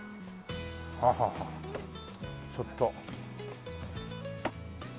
はあはあはあちょっと。